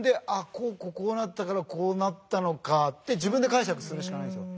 こうこうこうなったからこうなったのかって自分で解釈するしかないんすよ。